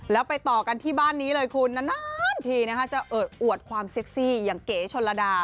แล้วไปต่อกันที่บ้านนี้เลยคุณนานทีนะคะจะเอิดอวดความเซ็กซี่อย่างเก๋ชนระดา